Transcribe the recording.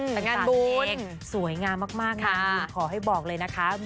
ในงานบุญสวยงามมากขอให้บอกเลยนะคะ